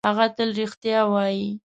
هغه تل رښتیا وايي.